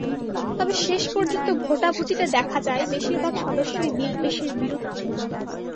তবে শেষ পর্যন্ত ভোটাভুটিতে দেখা যায়, বেশির ভাগ সদস্যই বিল পেশের বিরুদ্ধে।